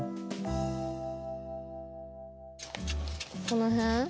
この辺？